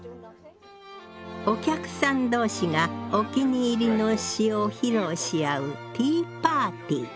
お客さん同士がお気に入りの詩を披露し合うティーパーティー。